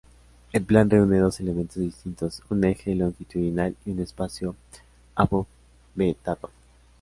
El plan reúne dos elementos distintos: un eje longitudinal y un espacio abovedado.